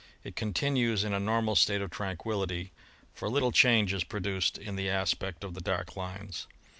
It continues in a normal state of tranquillity, for little change is produced in the aspect of the dark lines.